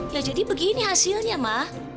ya jadi begini hasilnya mah